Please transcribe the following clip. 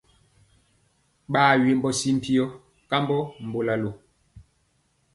Ɓaa wembɔ si viyɔ kambɔ mbolalo.